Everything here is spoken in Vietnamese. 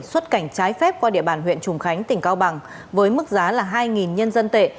xuất cảnh trái phép qua địa bàn huyện trùng khánh tỉnh cao bằng với mức giá là hai nhân dân tệ